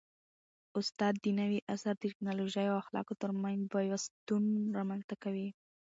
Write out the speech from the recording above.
استاد د نوي عصر د ټیکنالوژۍ او اخلاقو ترمنځ پیوستون رامنځته کوي.